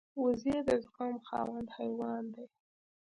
وزې د زغم خاوند حیوان دی